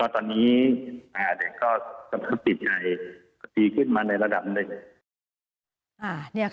ตอนนี้ก็สภาพจิตใจดีขึ้นมาในระดับหนึ่ง